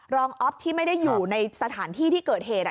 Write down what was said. รองอ๊อฟที่ไม่ได้อยู่ในสถานที่ที่เกิดเหตุ